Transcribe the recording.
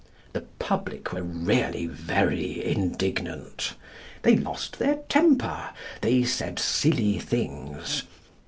The public were really very indignant. They lost their temper. They said silly things.